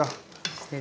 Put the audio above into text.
してる？